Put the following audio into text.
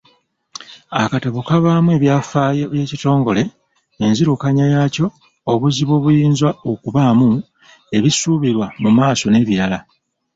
Akatabo kabaamu ebyafaayo by'ekitongole, enzirukanya yaakyo, obuzibu obuyinza okubaamu, ebisuubirwamu mu maaso n'ebirala.